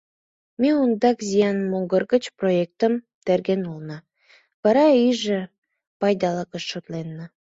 Ме ондак зиян могыр гыч проектым терген улына, вара иже пайдалыкшым шотленна.